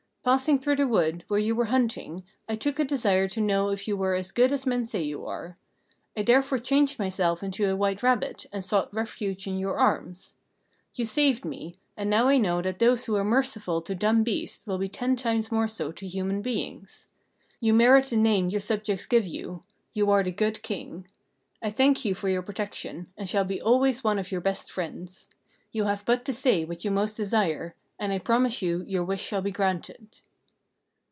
"Passing through the wood, where you were hunting, I took a desire to know if you were as good as men say you are. I therefore changed myself into a white rabbit, and sought refuge in your arms. You saved me; and now I know that those who are merciful to dumb beasts will be ten times more so to human beings. You merit the name your subjects give you: you are the Good King. I thank you for your protection, and shall be always one of your best friends. You have but to say what you most desire, and I promise you your wish shall be granted."